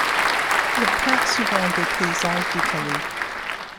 Il peint souvent des paysages d'Italie.